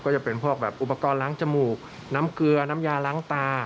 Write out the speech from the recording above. ก็จะเป็นพวกแบบอุปกรณ์ล้างจมูกน้ำเกลือน้ำยาล้างตา